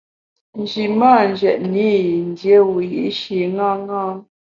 Nji mâ njètne i yin dié wiyi’shi ṅaṅâ.